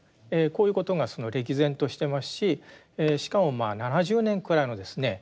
こういうことが歴然としてますししかも７０年くらいのですね